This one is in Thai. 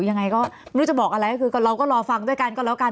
ยังไงก็ไม่รู้จะบอกอะไรก็คือเราก็รอฟังด้วยกันก็แล้วกัน